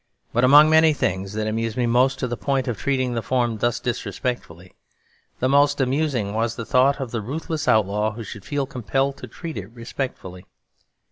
But among many things that amused me almost to the point of treating the form thus disrespectfully, the most amusing was the thought of the ruthless outlaw who should feel compelled to treat it respectfully.